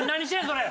それ。